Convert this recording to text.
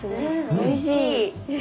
おいしい。